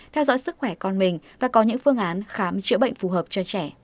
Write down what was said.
theo dõi sức khỏe con mình và có những phương án khám chữa bệnh phù hợp cho trẻ